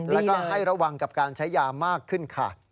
แล้วก็ให้ระวังกับการใช้ยามากขึ้นค่ะ